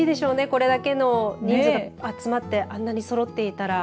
これだけの人数が集まってあんなにそろっていたら。